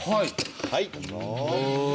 はい。